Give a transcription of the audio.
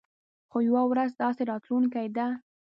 خو يوه ورځ داسې راتلونکې ده.